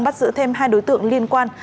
bắt giữ thêm hai đối tượng liên quan